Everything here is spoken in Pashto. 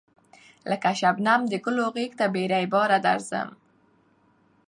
لکه شبنم د گلو غېږ ته بې رویباره درځم